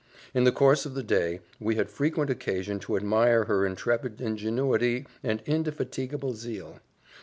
In the course of the day, we had frequent occasion to admire her intrepid ingenuity and indefatigable zeal.